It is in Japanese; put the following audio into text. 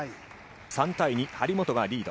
３対２、張本がリード。